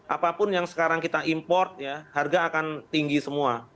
apapun yang sekarang kita import ya harga akan tinggi semua